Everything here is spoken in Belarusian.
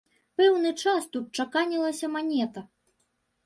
Пэўны час тут чаканілася манета.